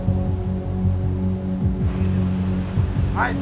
はい。